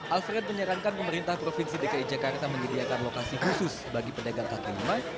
alfred menyarankan pemerintah provinsi dki jakarta menyediakan lokasi khusus bagi pedagang kaki lima